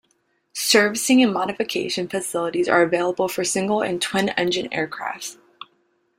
Servicing and modification facilities are available for single and twin engined aircraft.